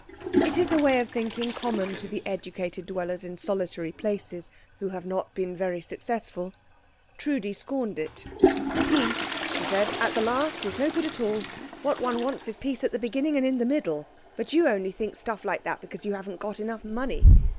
It is a way of thinking common to the educated dwellers in solitary places, who have not been very successful. Trudi scorned it. "Peace," she said, "at the last, is no good at all. What one wants is peace at the beginning and in the middle. But you only think stuff like that because you haven't got enough money.